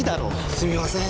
すみません。